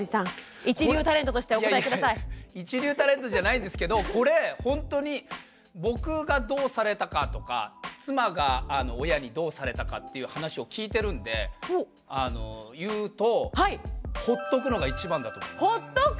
庄司さん一流タレントじゃないんですけどこれほんとに僕がどうされたかとか妻が親にどうされたかっていう話を聞いてるんで言うとほっとく！